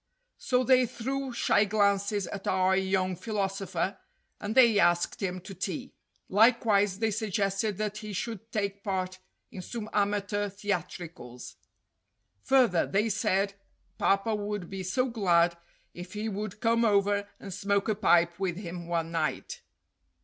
So they threw shy glances at our young philosopher and they asked him to tea. Likewise, they suggested that he should take part in some amateur theatricals. Further, they said papa would be so glad if he would come over and smoke a pipe with him one night.